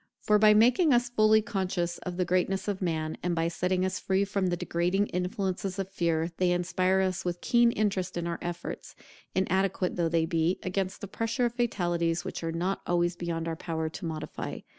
For by making us fully conscious of the greatness of man, and by setting us free from the degrading influences of fear, they inspire us with keen interest in our efforts, inadequate though they be, against the pressure of fatalities which are not always beyond our power to modify.